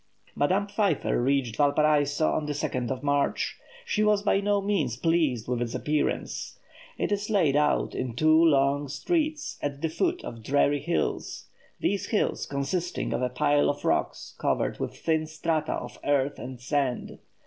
Madame Pfeiffer reached Valparaiso on the 2nd of March. She was by no means pleased with its appearance. It is laid out in two long streets, at the foot of dreary hills, these hills consisting of a pile of rocks covered with thin strata of earth and sand.